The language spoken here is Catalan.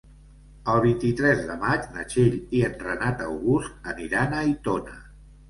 El vint-i-tres de maig na Txell i en Renat August aniran a Aitona.